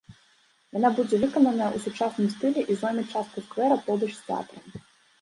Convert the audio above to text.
Яна будзе выкананая ў сучасным стылі і зойме частку сквера побач з тэатрам.